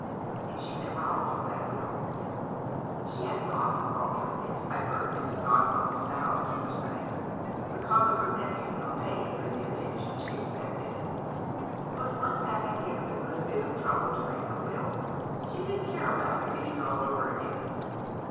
And she never altered that will. She had thoughts of altering it, I've heard Mrs. Bodlow, the housekeeper, say, because of her nephew not paying her the attention she expected ; but *nce having taken a good bit of trouble to make her will, sha didn't care about beginning all over again.